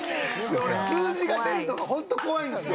俺数字が出るのがホント怖いんですよ。